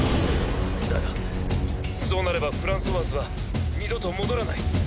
だがそうなればフランソワーズは二度と戻らない。